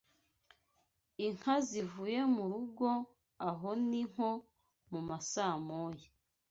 Inka zivuye mu rugo aho ni nko mu masaa moya